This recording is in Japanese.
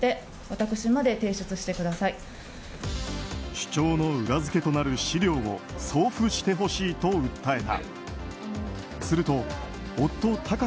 主張の裏付けとなる資料を送付してほしいと訴えた。